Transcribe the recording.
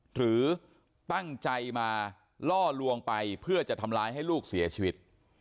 หรือตั้งใจมาล่อลวงไปเพื่อจะทำร้ายให้ลูกเสียชีวิต